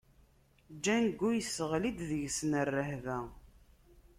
Django yesseɣli-d deg-sen rrehba.